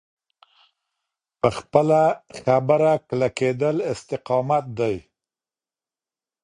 په خپله خبره کلکېدل استقامت دی.